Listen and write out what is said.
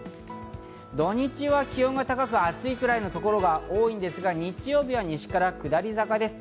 土日は気温が高く暑いくらいのところが多いですが、日曜日は西から下り坂です。